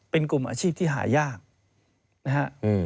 เป็นกลุ่มอาชีพที่หายากนะฮะ